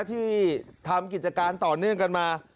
ที่ทำกิจการต่อเนื่องกันมา